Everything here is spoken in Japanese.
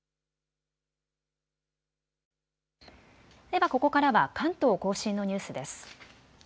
ではここからは関東甲信のニュースです。